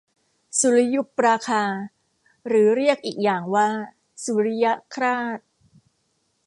สุริยุปราคา หรือเรียกอีกอย่างว่าสุริยคราส